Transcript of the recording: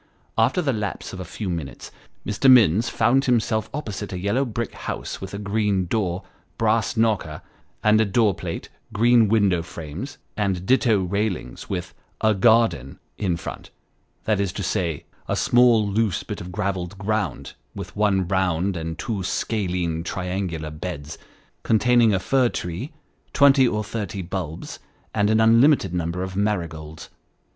After the lapse of a few minutes, Mr. Minns found himself opposite a yellow brick house with a green door, brass knocker, and door plate, green window frames and ditto railings, with " a garden " in front, that is to say, a small loose bit of gravelled ground, with one round and two scalene triangular beds, containing a fir tree, twenty or thirty bulbs, and an unlimited number of marigolds.